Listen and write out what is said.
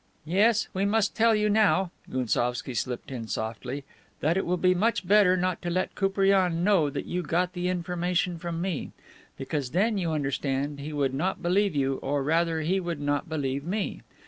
"Yes, we must tell you now," Gounsovski slipped in softly, "that it will be much better not to let Koupriane know that you got the information from me. Because then, you understand, he would not believe you; or, rather, he would not believe me.